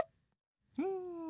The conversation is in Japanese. うん。